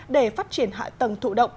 để phát triển hạ tầng kỹ thuật liên ngành